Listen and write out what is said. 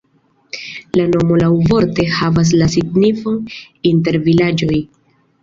La nomo laŭvorte havas la signifon: inter vilaĝoj.